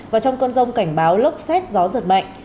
và trong cơn rông cảnh báo lốc xét gió giật mạnh